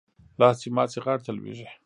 لاس چې مات شي ، غاړي ته لوېږي .